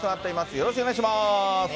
よろしくお願いします。